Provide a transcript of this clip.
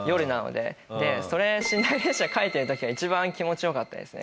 でそれ寝台列車書いてる時が一番気持ち良かったですね。